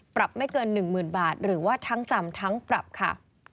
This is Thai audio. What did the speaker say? ปรับไม่เกินหนึ่งหมื่นบาทหรือว่าทั้งจำทั้งปรับค่ะ